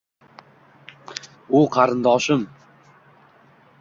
U qarindoshim.